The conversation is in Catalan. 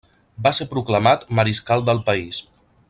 Va ser proclamat Mariscal del país.